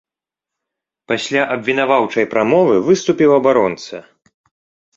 Пасля абвінаваўчай прамовы выступіў абаронца.